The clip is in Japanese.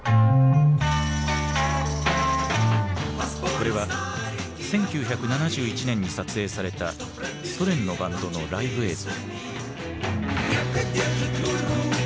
これは１９７１年に撮影されたソ連のバンドのライブ映像。